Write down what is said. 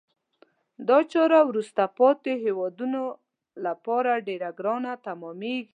دا چاره وروسته پاتې هېوادونه لپاره ډیره ګرانه تمامیږي.